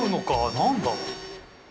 何だろう？